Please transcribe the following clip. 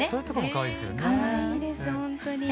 かわいいですほんとに。